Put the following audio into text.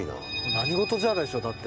何事じゃでしょだって。